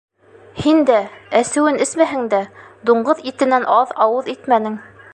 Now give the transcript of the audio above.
Һин дә, әсеүен эсмәһәң дә, дуңғыҙ итенән аҙ ауыҙ итмәнең.